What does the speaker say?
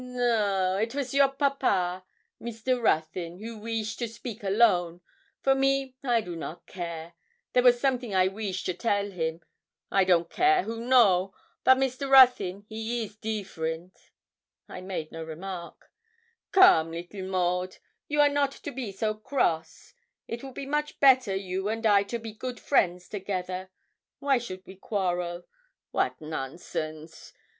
'No it was your papa, Mr. Ruthyn, who weesh to speak alone; for me I do not care; there was something I weesh to tell him. I don't care who know, but Mr. Ruthyn he is deeferent.' I made no remark. 'Come, leetle Maud, you are not to be so cross; it will be much better you and I to be good friends together. Why should a we quarrel? wat nonsense!